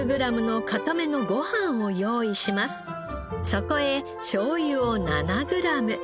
そこへしょうゆを７グラム。